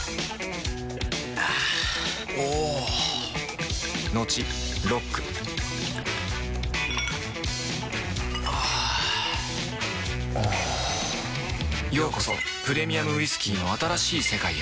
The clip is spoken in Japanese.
あぁおぉトクトクあぁおぉようこそプレミアムウイスキーの新しい世界へ